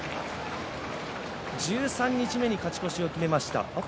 十三日目に勝ち越しを決めました。